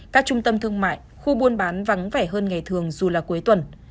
các trung tâm thương mại khu buôn bán vắng vẻ hơn ngày thường dù là cuối tuần